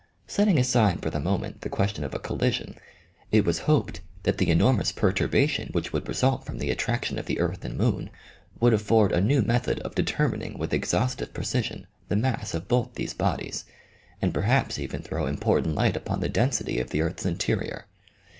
Setting aside for the moment, the question of a collision, it was hoped that the enormous perturbation which would result from the at traction of the earth and moon would afford a new method of determining with exhaustive precision the mass of both these bodies, and perhaps even throw important light upon OMEGA. 15 the density of the earth's interior.